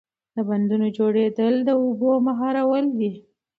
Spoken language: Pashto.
د بندونو جوړول د اوبو مهارول دي.